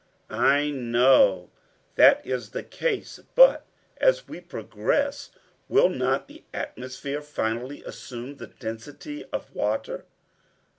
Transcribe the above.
"I know that is the case, but as we progress will not the atmosphere finally assume the density of water?"